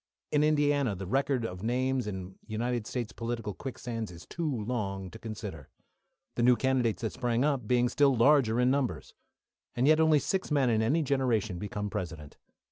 In Indiana, the record of names in United States political quicksands is too long too consider, the new candidates that sprang up being still larger in numbers. And yet only six men in any generation become President.